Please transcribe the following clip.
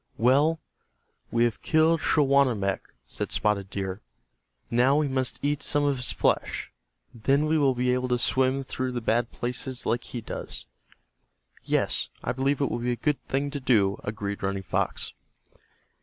"Well, we have killed Schawanammek," said Spotted Deer. "Now we must eat some of his flesh. Then we will be able to swim through the bad places like he does." "Yes, I believe it will be a good thing to do," agreed Running Fox.